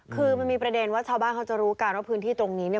คือมันมีประเด็นว่าชาวบ้านเขาจะรู้กันว่าพื้นที่ตรงนี้เนี่ย